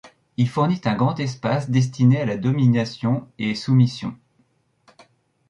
Il fournit un grand espace destiné à la domination et soumission.